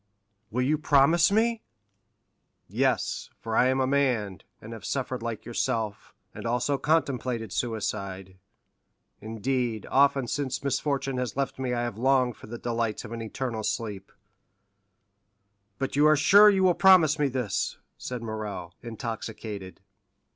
"Will you promise me?" "Yes; for I am a man, and have suffered like yourself, and also contemplated suicide; indeed, often since misfortune has left me I have longed for the delights of an eternal sleep." "But you are sure you will promise me this?" said Morrel, intoxicated.